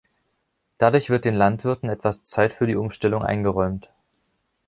Dadurch wird den Landwirten etwas Zeit für die Umstellung eingeräumt.